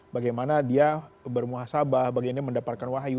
bagaimana dia bermuasabah bagiannya mendapatkan wahyu